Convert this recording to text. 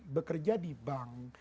bekerja di bank